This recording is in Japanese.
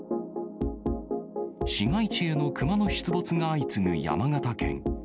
市街地への熊の出没が相次ぐ山形県。